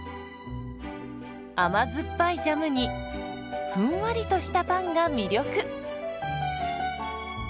甘酸っぱいジャムにふんわりとしたパンが魅力。